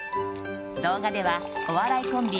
動画ではお笑いコンビ